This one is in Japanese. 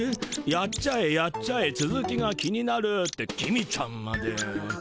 「やっちゃえやっちゃえつづきが気になる」って公ちゃんまで。